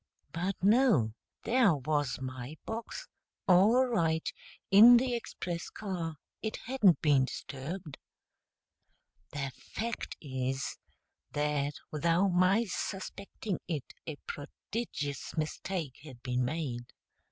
But no there was my box, all right, in the express car; it hadn't been disturbed. [The fact is that without my suspecting it a prodigious mistake had been made.